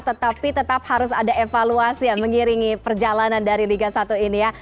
tetapi tetap harus ada evaluasi yang mengiringi perjalanan dari liga satu ini ya